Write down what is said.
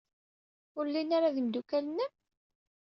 Ur llin ara d imeddukal-nnem?